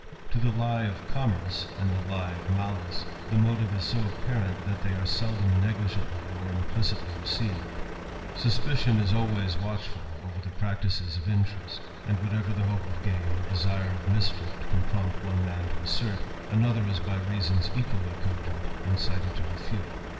To the lie of commerce, and the lie of malice, the motive s so apparent, that they are seldom negligently or implicitly ■eceived : suspicion is always watchful over the practices of merest ; and whatever the hope of gain, or desire of nischief, can prompt one man to assert, another is by vasons equally cogent incited to refute.